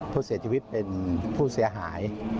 ผู้เสียชีวิตเป็นผู้เสียหาย